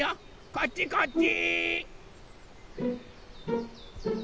こっちこっち！